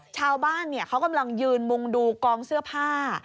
ชาวบ้านเขากำลังยืนมุงดูกองเสื้อผ้า